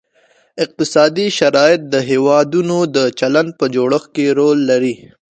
اقتصادي شرایط د هیوادونو د چلند په جوړښت کې رول لري